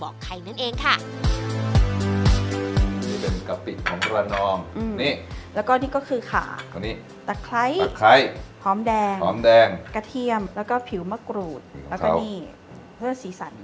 กระเทียมแล้วก็ผิวมะกรูดแล้วก็นี่เพื่อสีสัน